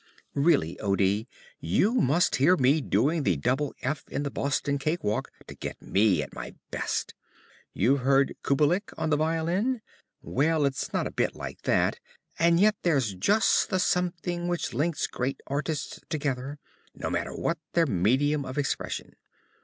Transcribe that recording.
_) Really, O. D., you must hear me doing the double F in the Boston Cake Walk to get me at my best. You've heard Kubelik on the violin? Well, it's not a bit like that, and yet there's just the something which links great artists together, no matter what their medium of expression.